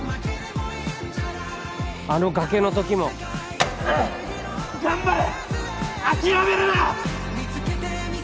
あの崖の時もうっ頑張れ諦めるな！